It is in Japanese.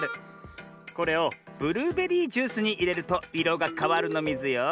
これをブルーベリージュースにいれるといろがかわるのミズよ。